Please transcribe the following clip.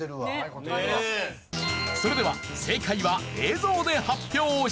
それでは正解は映像で発表します。